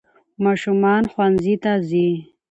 ماشومان ښونځي ته ځي